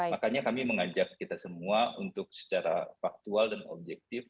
makanya kami mengajak kita semua untuk secara faktual dan objektif